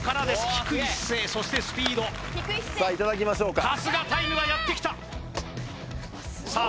低い姿勢そしてスピードさあいただきましょうか春日タイムがやってきたさあ